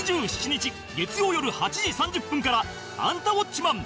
２７日月曜よる８時３０分から『アンタウォッチマン！』